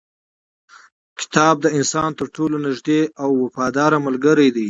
کتاب د انسان تر ټولو نږدې او وفاداره ملګری دی.